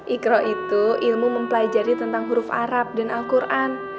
ikra itu ilmu mempelajari tentang huruf arab dan al quran